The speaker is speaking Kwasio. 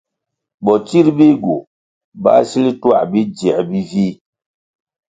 Botsir bihgu báh sil tuah bi dzier bi vih.